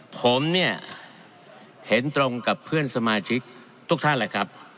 ผมเนี่ยเห็นตรงกับเพื่อนสมาชิกทุกท่านแหละครับ